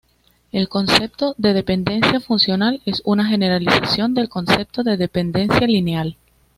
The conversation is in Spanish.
El concepto de dependencia funcional es una generalización del concepto de dependencia lineal.